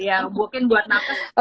ya mungkin buat nafas